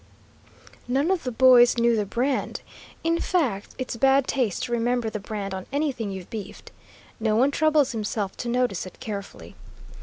None of the boys knew the brand; in fact, it's bad taste to remember the brand on anything you've beefed. No one troubles himself to notice it carefully.